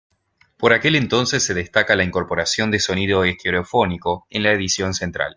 Por aquel entonces, se destaca la incorporación de sonido estereofónico en la edición central.